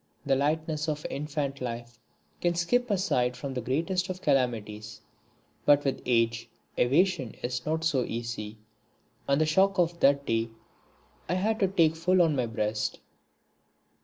The lightness of infant life can skip aside from the greatest of calamities, but with age evasion is not so easy, and the shock of that day I had to take full on my breast.